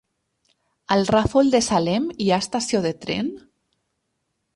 A el Ràfol de Salem hi ha estació de tren?